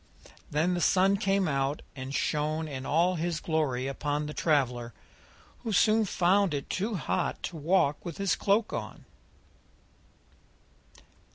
Then the Sun came out and shone in all his glory upon the traveller, who soon found it too hot to walk with his cloak on.